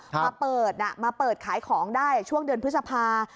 มาเปิดมาเปิดขายของได้ช่วงเดือนพฤษภา